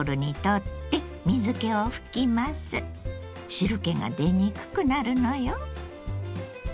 汁けが出にくくなるのよ。